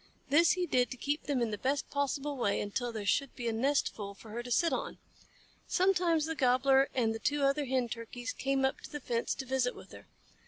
This he did to keep them in the best possible way until there should be a nestful for her to sit on. Sometimes the Gobbler and the two other Hen Turkeys came up to the fence to visit with her.